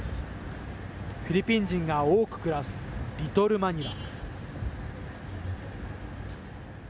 フィリピン人が多く暮らすリトル・マニラ。